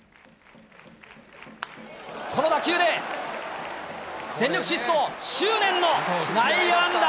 この打球で、全力疾走、執念の内野安打。